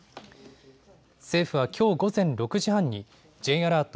政府はきょう午前６時半にＪアラート